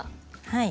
はい。